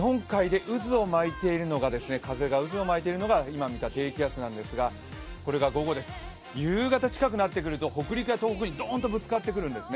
日本海で風が渦を巻いているのが今見た低気圧なんですがこれが午後です、夕方近くなってくると、北陸や東北にドーンとぶつかってくるんですね。